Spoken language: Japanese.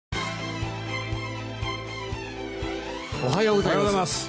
おはようございます。